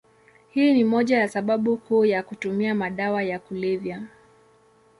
Hii ni moja ya sababu kuu ya kutumia madawa ya kulevya.